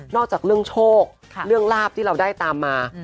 อกจากเรื่องโชคเรื่องลาบที่เราได้ตามมา